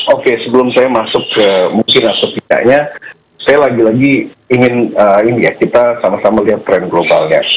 oke sebelum saya masuk ke mungkin atau tidaknya saya lagi lagi ingin ini ya kita sama sama lihat tren globalnya